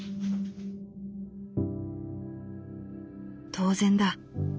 「当然だ。